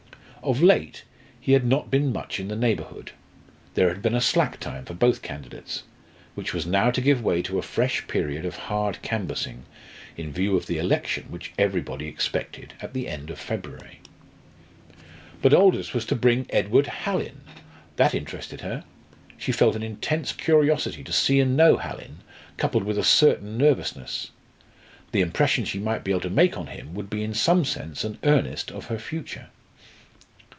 Of late he had not been much in the neighbourhood. There had been a slack time for both candidates, which was now to give way to a fresh period of hard canvassing in view of the election which everybody expected at the end of February. But Aldous was to bring Edward Hallin! That interested her. She felt an intense curiosity to see and know Hallin, coupled with a certain nervousness. The impression she might be able to make on him would be in some sense an earnest of her future.